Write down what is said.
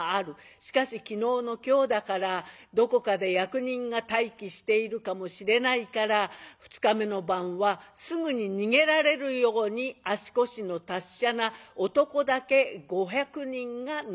しかし昨日の今日だからどこかで役人が待機しているかもしれないから２日目の晩はすぐに逃げられるように足腰の達者な男だけ５００人が登ったということでございます。